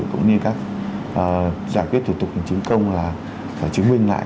cũng như các giải quyết thủ tục hành chính công là chứng minh lại